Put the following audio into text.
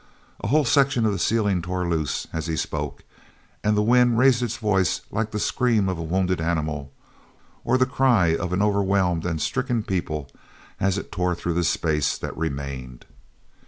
A whole section of the ceiling tore loose as he spoke, and the wind raised its voice like the scream of a wounded animal—or the cry of an overwhelmed and stricken people—as it tore through the space that remained.